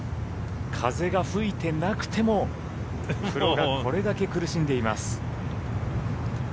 風が吹いてなくてもプロがこれだけ苦しんでいます。